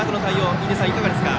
印出さん、いかがですか。